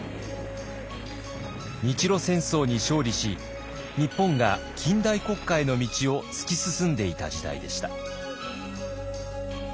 日露戦争に勝利し日本が近代国家への道を突き進んでいた時代でした。